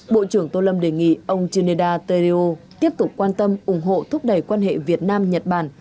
bộ trưởng tô lâm đề nghị ông geneda teleo tiếp tục quan tâm ủng hộ thúc đẩy quan hệ việt nam nhật bản